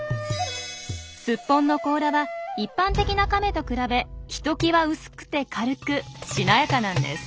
スッポンの甲羅は一般的なカメと比べひときわ薄くて軽くしなやかなんです。